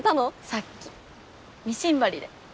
さっきミシン針で。